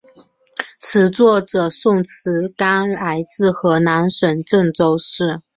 词作者宋志刚来自河南省郑州市。